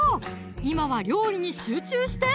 今は料理に集中して！